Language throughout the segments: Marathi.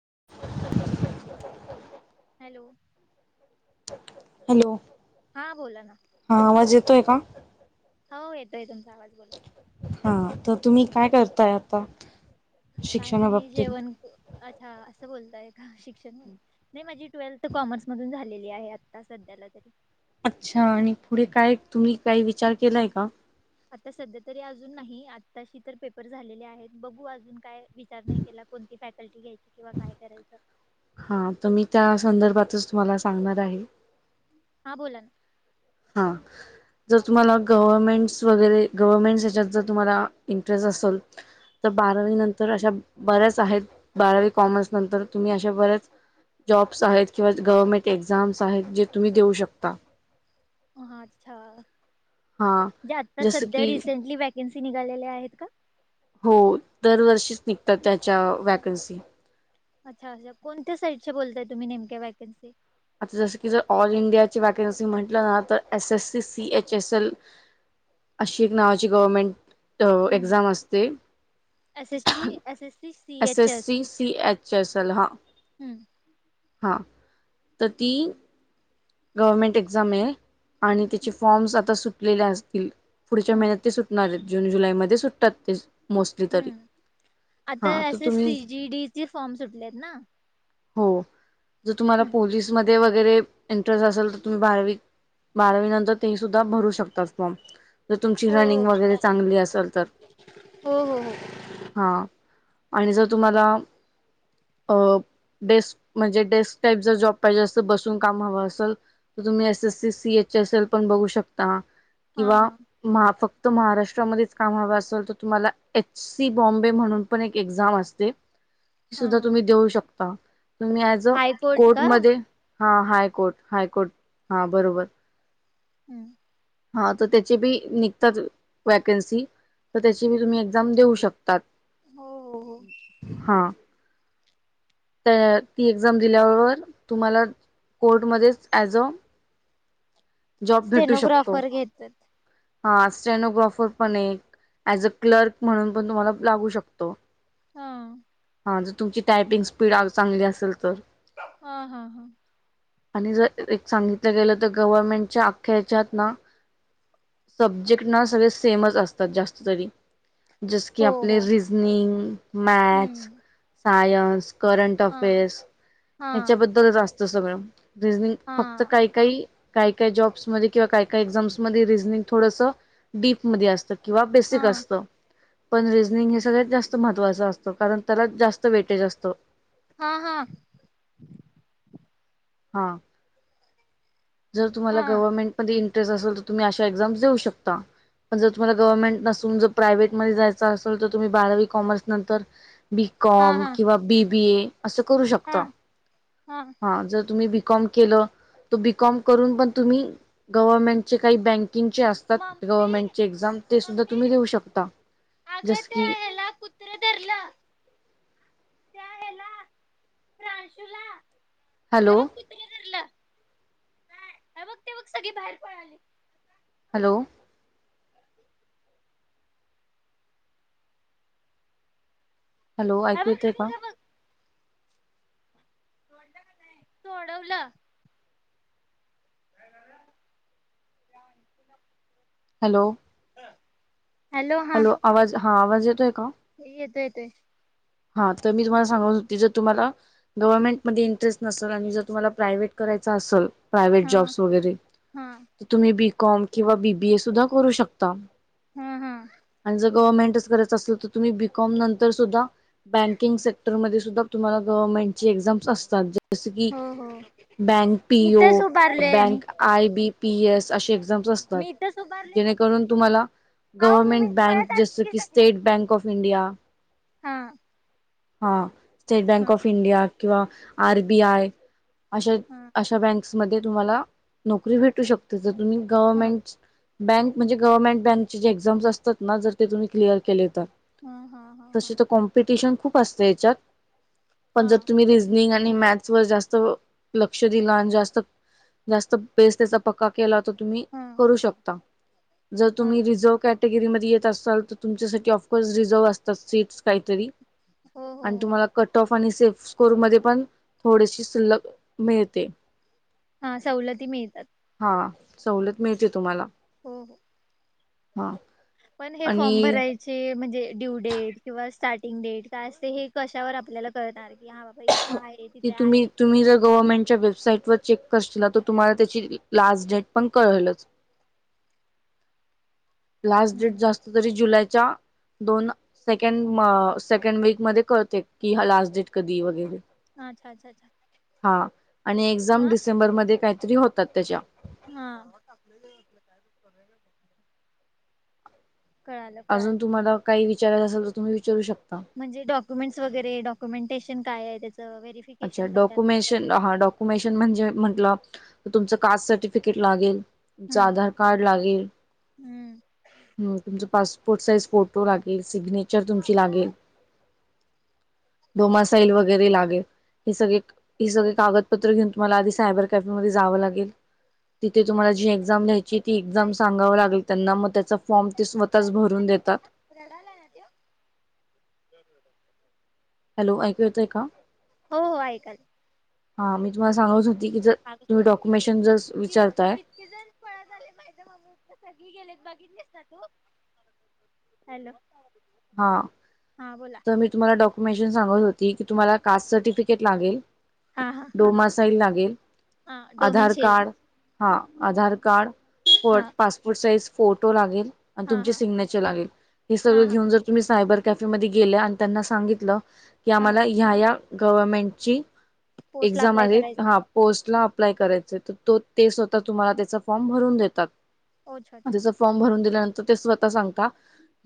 [inaudible] हॅलो हॅलो हा बोला ना तोय का हो येतोय तुमचा आवाज बोला हा तर तुम्ही काय करताय आता काय नाही शिक्षणाबाबतीत जेवण अच्छा असं बोलताय शिक्षण नई माझी ट्वेल्थ कॉमर्स मधून झालेली आहे आता सध्याला तरी अच्छा आणि पुढे काय तुम्ही काय विचार केलाय का? आता सध्या तरी अजून नाही आताशी तर पेपर झालेले आहेत बघू अजून काय विचार नाही केला. कोणती फॅकल्टी घ्यायची किंवा काय करायचं हा तर मी त्या संदर्भातच तुम्हाला सांगणार आहे. हा बोला ना हा जर तुम्हाला गव्हर्मेंट्स वगैरे गव्हर्नमेंट्स हेच्यात जर तुम्हाला इंटरेस्ट असल तर बारावी नंतर अशा बऱ्याच आहेत बारावी कॉमर्स नंतर तुम्ही अशा बऱ्याच जॉब्स आहेत किंवा गव्हर्नमेंट एक्झामस आहेत जे तुम्ही देऊ शकता. अच्छा हा जे आता जसं सध्या की रिसेंटली व्हाक एनसी निघालेल्या आहेत का? हो दरवर्षीच निघतात त्याच्या वॅकन्सी. अच्छा अच्छा तर कोणत्या साईड बोलताय तुम्ही नेमक्या व्हॅकन्सी आता जसं की जर ऑल इंडियाची वॅकन्सी म्हटलं ना तर S SC C H S L अशी एक नावाची गव्हर्मेंट एक्झाम असते. एस एस ची S S C C S H S C C H S L हा हम्म हा तर ती गव्हर्मेंट एक्झाम हे आणि तिची हम्म फॉर्म्स आता सुटलेले असतील पुढच्या महिन्यात ते सुटणार हेत जून जुलै मध्ये सुटतात तेच हम्म आता तर असे तुम्ही सी जी डी चे फॉर्म सुटलेत ना. हो जर तुम्हाला हम्म. पोलीसमध्ये वगैरे इंटरेस्ट असेल तर तुम्ही बारावी बारावी नंतर ते सुद्धा भरू शकतात फॉर्म तर तुमची हो हो रनिंग वगैरे चांगली असल तर हो हो हो. हा आणि जर तुम्हाला अ डेस्क म्हणजे डेस्क टाईप जर जॉब पाहिजे असेल बसून काम हवं असल तर तुम्ही S S C सिच S L पण बघू शकता. हा किंवा हा मा फक्त तर महाराष्ट्रामध्येच काम हव असल तर तुम्हाला एच सी बॉम्बे म्हणून पण एक एक्झाम असते. हा सुद्धा हा तुम्ही देऊ शकता तुम्ही याज अ हायकोर्ट का? कोर्टमध्ये हा हायकोर्ट हायकोर्ट हा बरोबर. हम्म. हा तर त्याचे बी निघतात वॅकन्सी तर त्याचीी तुम्ही एक्झाम देऊ शकतात हो हो हो हा. त्या ती एक्झाम दिल्यावर तुम्हाला कोर्टमध्येच ऍज अ जॉब भेटू शकतो. स्टेनोग्राफर घेतात. हा स्टेनोग्राफर पण एक ऍज अ क्लर्क म्हणून पण तुम्हाला लागू शकतो. हा. हां जर तुमची टायपिंग स्पीड चांगली असेल तर. हा हा हा. आणि जर एक सांगितलं गेलं तर गव्हर्नमेंटच्या अख्याच्यात ना. सब्जेक्ट ना सगळे सेमच असतात जास्तरी जस की हो हो. आपले रिजनिंग मॅथस हम्म सायन्स करंट हा अफेअर्स हा ह्याच्याबद्दल जास्त सगल. रिझनिंग हा फक्त काय काय काय काय जॉब्समध्ये किंवा काय काय एक्झाम्स मध्ये रिझनिंग थोडस डीप मध्ये असत किंवा बेसिक हा. असत. पण रिझनिंग हे सगळ्यात जास्त महत्त्वाचं असतं कारण त्याला जास्त वेटेज असतो. हा हा हा जर तुम्हाला हा गव्हर्मेंटध्ये इंटरेट असेल तर तुम्ही अशा एक्झाम देऊ शकता. पण जर तुम्हाला गव्हर्नमेंट नसून जर प्रायव्हेटमध्येध्ये जायचं असेल तर, तुम्ही बारावी कॉमर्स नंतर हा बीकॉम हा किंवा बीबी ए असं करू शकता हा हा जर तुम्ही बी कॉम केल तर बी कॉम करून पण तुम्ही गव्हर्मेंट चे काही ब चे असतात मम्मी गव्हनमेंटचे एक्झाम ते सुद्धा तुम्ही देऊ शकता. अग जस ते की ह्याला कुत्र धरला. त्या हेला प्रांशूला हॅलो ग तेग सगळी बाहेर पळाली. हॅलो. हॅलो हे ऐकू बघ हे येतय बघ का हे सोडल काय नाही सोडवलं. काय झालं. हॅलो. हॅलो हा. हा आवाज येतोय का. येतोय येतोय. हा तर मी तुम्हाला सांगून होते ज तुम्हा गव्हर्नमेंटमध्येध्ये इंटरेस्ट नसेल आणि जर तुम्हा प्रायव्हेट कर. करायच असेल. प्रायव्हेट हा जॉब्स वगैरे हा तर तुम्ही बीकॉम किंवा बीबीए सुद्धा करू शकता. हा आणि जर गवर्मेंटच करायचं असल तर तुम्ही बीकॉम नंतर सुद्धा बँकिंग सेक्टरमध्ये सुद्धा तुम्हाला गव्हर्नमेंटची एक्झाम्स असतात. जस की हो हो बँक पी ओ इथेच उभारलोय आणि bank I B P S अशी एक्झाम असतात. मी इथेच उभारलोय तर जेणेकरून तुम्हाला आहो मी गव्हर्मेंट पळत बँक आलो जस की सगळी स्टेट बँक ऑफ इंडिया. हा. हा स्टेट बँक हा ऑफ इंडिया किंवा आर बी आय अशा हा अशा बँक्समध्ये तुम्हाला नोकरी भेटू शकते जर तुम्ही हा गवर्मेंट बँक म्हणजे गव्हर्मेंट बँकचे जे एक्झा्स असतात ना जर ते तुम्ही क्लिअर केले. हा हा हा हा तस तर कॉम्पिटिशन खूप असतं याच्यात पण जर हा तुमि रिझनिंग मॅथ व जास्त लक्ष दिला जास्त बेस त्या चा पक्का केला तुम्ही हा करू शकता जर हा तुम्ही रिजेर्व कॅट कटेगरीमध्ये येत असाल तर तुमच्यासाठी ऑफकोर्स रिझर्व्ह असतात सीट्स काहीतरी हो हो आणि हो तुम्हाला कट ऑफ आणि सेफ स्कोर ममध्ये पण थोडीशी सुलभ मिळते हा सवलती मिळतात हा सवलत मिळते तुम्हाला हो हो हा पण हे फॉर्म आणि भरायचे म्हणजे ड्यू डेट किंवा स्टार्टिंग डेट काय असते हे कशावर आपल्याला कळणार की हा बा ती तुम्ही तुम्ही जर गवर्नमेंटच्या वेबसाईट चेक कर त तुम्हाला त्याची लास्ट डेट पण कळेलच लास्ट डेट जास्त तरी जुलै दोन सेकड सेकंड वीक मध्ये कळते कि लास्ट डेट कधी वगैरे अच्छा अच्छा अच्छा हा आणि एक्झाम हा डिसेंबर मध्ये काहीतरी होतात त्याच्या हा का अजून तुम्हाला काही विचारायच असेल तर तुम्ही विचारू शकता म्हणजे डक्युमेंट्स वगैरे डक्युमेंटेशन काय त्या अच्छा डॉक्युमेशन हा डॉक्युमेशन म्हणजे म्हंटलं तुमचं कास्ट सर्टिफिकेट लागेल तुमचं हम्म. आधार कार्ड लागेल हम्म. हम् तुमच पासपोर्ट साइज फोटो लागेल सिग्नेचर तुमची लागेल डोमासाईल वगैरे लागेल हे सगळे हे सगळे कागदपत्र घेऊन तुम्हाला आधी सायबर कॅफे मध्ये जावं लागेल तिथे तुम्हाला जे एक्झाम ल्यायची ती एक्झाम काय सांगाव लागली त्यांना मग त्याचा फॉर्म ते स्वतःच भरून देतात [unintelligible] ते हॅलो ऐकू येतय का हो हो ऐकाल. हा मी तुम्हाला सांगच होत अ विचारताय कितक जण फळ झाले माझ मममी सगळी गेले बघितलीस ना तू हॅलो हा हा बोला तर मी तुम्हाला डॉक्युमेंशन सांगत होती की तुम्हाला कास्ट सर्टिफिकेट लागेल हा हा डोमासाईल लागेल हा आधार डोमिनशेल कार्ड हा आधार कार्ड फ पासपोर्ट साईज फोटो लागेल आणि हा तुमचे हा सिग्नेचर लागेल हे हा सगळं हा घेऊन जर तुम्ही सायबर कॅफेमध्ये गेले आणि त्यांना सांगितलं क हा आम्हाला ह गवमेंट पोस्टला एझाम अप्लाय करायचं. ह पोस्ट अप्लाय करायचे तर ते स्वतः तुम्हाला त्याचा फॉर्म भरून देतात ओ अच्छा अच्छा अच्छा. त्याच फॉर्म भरून दिल्यानंतर ते स्वतः सांगता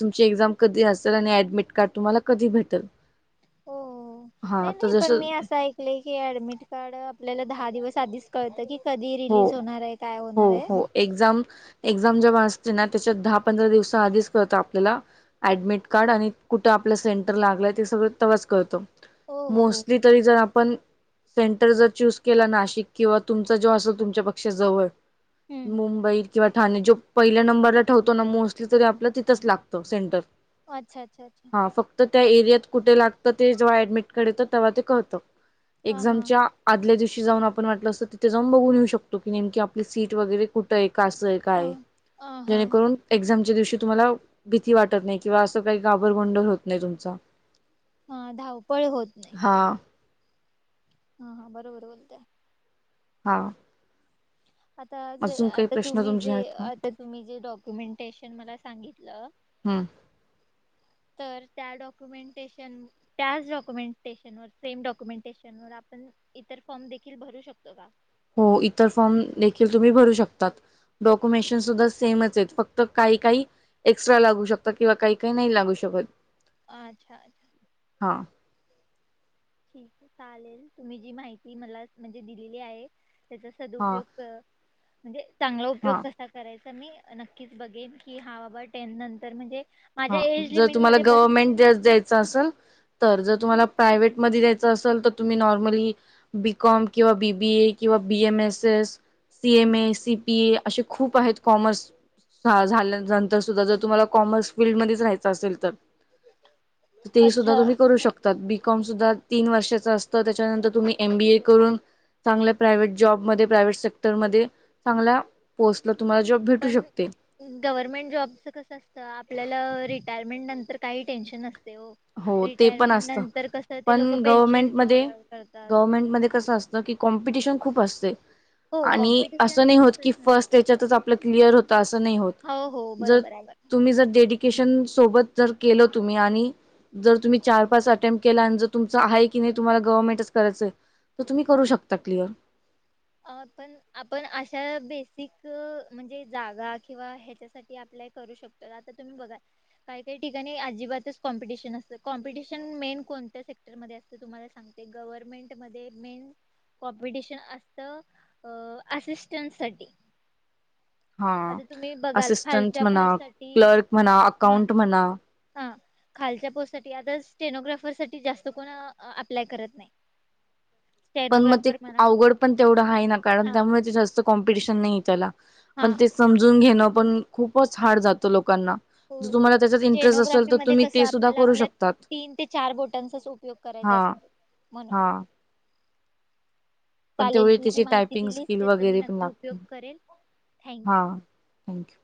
तुमची एझाम कधी असेलऍडमिट कार्ड तुम्हाला कधी भेटेल हो हा नाही तर नाही पण जसं मी असं ऐकलं की ऍडमिट कार्ड आपल्याला दहा दिवस आधीच कळतं की कधी रिलीज हो होणार आहे काय होणार आहे हो एक्झाम एझाम जेव्हा अस त्याच्यात दहा पंधरा दिवसा आधीच कत आपल्याला अऍडमिट कार्ड आणि कुठे आपल्या सेंटर ला सगच करत हो हो हो मोस्टली तरी जर आपण सेंटर जर चूस केला नाशिक किंवा तुमचा जो असल तुमच्या पेक्षा जवळ हम्म मुंबई किंवा ठाणे जो पहिल्या नंबरला ठेवतो ना मोस्टली तरी आपलं तिथंच लागतं सेंटर अच्छा अच्छा अच्छा हा फक्त त्या एरियात कुठे लागतं ते जेव्हा ऍडमिट करं तेव्हा ते कळतं हा हा एक्झामच्या आदल्या दिवशी जाऊन आपण वाटलं असतं तिथे जाऊन बघून घेऊ शकतो आप स वर कु का हा हा हा हा जेमच्यावशी तुम्हाला भीती वाटत नाही किंवा असं काही गाभरबंड होत नाही तुमचा हा धावपळी होत नाही हा हा हा बरोबर बोलतय होा आता आता तुम्ही तुमचे जे आहेत का आता तुम्ही जे डॉक्युमेंटेशन मला सांगितलं ह तर त्या डॉक्युमेंटेशन त्याच डॉक्युमेंटेशन व सेम डॉक्युमेंटेशन व पण इतर फॉर्म देखील भरू शकतो का हो इतर फॉर्म देखील तुम्ही भरू शकतात डॉक्युमेंशन सुद्धा सेमच आहेत फक्त काही काही एक्स्ट्रा लागू शकता किंवा काही काही नाही लागू शकत अच्छा अच्छा हा ठीक आहे चालेल तुम्ही जी माहिती मला म्हणजे दिलेली आहे त्याचा हा सदपयोग म्हणजे चांगला उपयोग हा कसा करायचा तर मी नक्कीच बघेन की हा बाबा टेन नंतर म्हणजे हा माझ्या एज जर तुम्हाला लिमिटमध्ये बसत गव्हर्नमेंट ज द्यायचं असेल तर जर तुम्हाला प्रायव्टमध्ये द्यायचं असेल तर तुम्ही नॉर्मली बीकॉम किंवा बीबीए किंवा बमस सीम ए सीपीए असे खूप आहेत कमर् झाल्यानंतर सुद्धा जर तुम्हाला कॉमर्स असेल तर सुा अच्छा तुम्ही करू शक तन वर्षा अस त्या तुम्हीम बी करून चांगल्या प्रायवहेट जॉबमध्ये प्रायव्हेट सेक्टरमध्ये चांगल्या पोस्ट पण गव्हर्मेंट जॉबच कस असत आपल्याला रिटायरमेंट नंतर काही टेन्शन असते हो हो ते पण रिटायरमेंट असत नंतर कसं ते पण लोक पेन्शन गवमेंट म प्रोव्हाइड करतात गमेंट म कस असत क कॉमपिटिशन खूप असते हो आणि असं कॉम्पिटिशनचा नाही तर होत की प्रश्न नाही फस्ट त्याच्यातच आपलं क्लिअर होत असं नाही होत हो हो जर बरोबर आहे तुम्ही जर डेडिकेशन सोबत जर केल तुम्ही आणि जर तुम्ही चार पाच अटेम्प्ट केला आणि जर त त गम करायं तर तुम्ही करू शकता क्ल अ पण आपण अशा बेसिक म्हणजे जागा किंवा ह्याच्यासाठी आपल्या ज ण्या सेर तुला ग्हमेंट मे कॉमटिशन असिस्टं सा हा असिस्टंट म्हणा पोस्टसाठी क्लर्क म्हणा हां अकाउंट म्हणा हां खालच्या पोस्ट साठी आता स्टेनोग्राफर साठी जास्त कोण अप्लाय करत नाही पण मग ते स्टेनोग्राफर म्हणा अवघड पण तेवढं आहे ना कारण हां त्यामुळे ते जास्त कॉम्पिटिशन नाही त्याला हां पण ते समजून घेणं पण खूपच हार्ड जातं लोकांना हो जर हो तुम्हाला त्याच्यात इंटरेस्ट असेल स्टेनोग्राफी तर मध्ये तुम्ही कसं ते सुद्धा आपल्याला करू आपल्या शकतात तीन ते चार बोटांचाच उपयोग करायचा हा असतो. हा म्हणून पण चालेल तेवढी तुी त्याची माहिती टायपिंग दिलीस त्याचा मी नक्की उपयोग करेल थँक्यू. हो थँक्यू